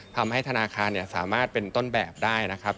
ทำให้ธนาคารสามารถเป็นต้นแบบได้นะครับ